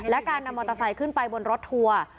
และการนำมอเตอร์ไซค์ขึ้นไปบนรถทัวร์